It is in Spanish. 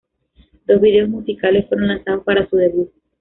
Dos vídeos musicales fueron lanzados para su debut.